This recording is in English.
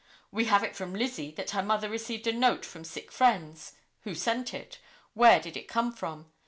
We have it from Lizzie that her mother received a note from sick friends. Who sent it? Where did it come from?